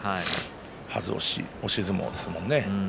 はず押し、押し相撲です。